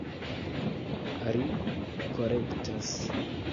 Ri korektas.